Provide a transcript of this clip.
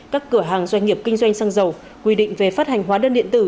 các cửa hàng doanh nghiệp kinh doanh xăng dầu quy định về phát hành hóa đơn điện tử